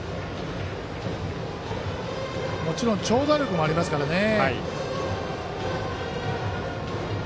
もちろん長打力もありますからね。